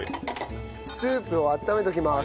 スープを温めておきます。